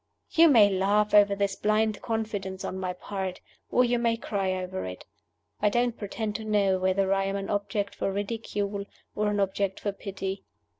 "You may laugh over this blind confidence on my part, or you may cry over it. I don't pretend to know whether I am an object for ridicule or an object for pity.